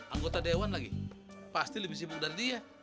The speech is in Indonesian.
anggota dewan lagi pasti lebih sibuk dari dia